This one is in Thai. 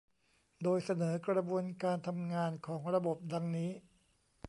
โดยเสนอกระบวนการทำงานของระบบดังนี้